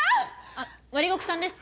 あっ割獄さんです。